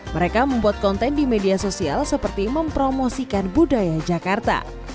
mereka membuat konten di media sosial seperti mempromosikan budaya jakarta